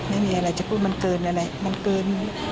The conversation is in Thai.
ไม่มีอะไรจะพูดมันเกินอะไร